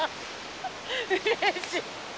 うれしい！